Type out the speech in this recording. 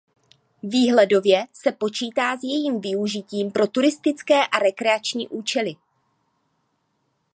Výhledově se počítá s jejím využitím pro turistické a rekreační účely.